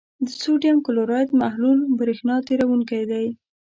د سوډیم کلورایډ محلول برېښنا تیروونکی دی.